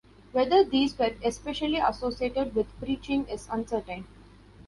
Whether these were especially associated with preaching is uncertain.